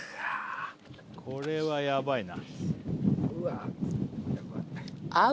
これはヤバいな。